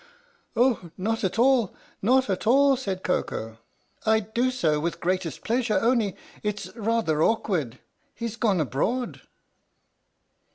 " Oh, not at all not at all," said Koko. " I'd do so with greatest pleasure only it 's rather awkward he 's gone abroad !"" Gone abroad?